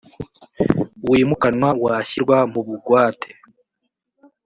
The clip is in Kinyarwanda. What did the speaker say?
wimukanwa washyirwa mu bugwate